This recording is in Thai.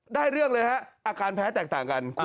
ได้เรื่องเลยฮะอาการแพ้แตกต่างกัน